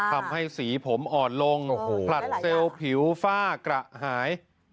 ทำให้สีผมอ่อนลงผลัดเซลล์ผิวฝ้ากระหาย